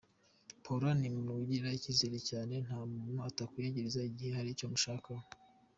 Paola ni umuntu wigirira icyizere cyane, nta muntu atakwiyegereza igihe hari icyo amushakaho.